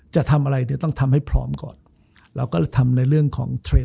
จะทำอะไรเนี่ยต้องทำให้พร้อมก่อนเราก็ทำในเรื่องของเทรนด